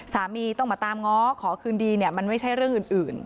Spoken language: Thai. สามีต้องมาตามง้อขอคืนดีเนี่ยมันไม่ใช่เรื่องอื่น